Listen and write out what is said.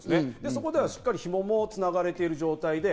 そこではしっかり紐も繋がれている状態で。